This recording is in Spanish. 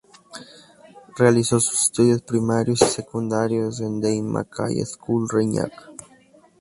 Realizó sus estudios primarios y secundarios en The Mackay School, Reñaca.